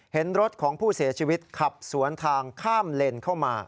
เห็นรถของผู้เสียชีวิตขับสวนทางข้ามเลนเข้ามา